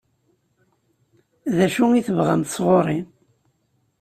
D acu i tebɣamt sɣur-i?